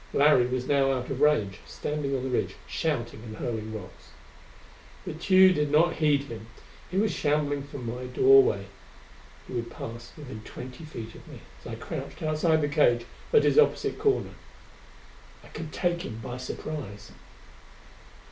Larry was now out of range, standing on the ridge, shouting and hurling rocks. But Tugh did not heed him. He was shambling for my doorway. He would pass within twenty feet of me as I crouched outside the cage at its opposite corner. I could take him by surprise.